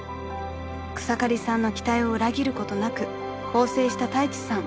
［草刈さんの期待を裏切ることなく更生したタイチさん］